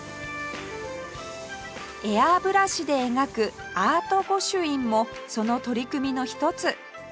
エアブラシで描くアート御朱印もその取り組みの一つ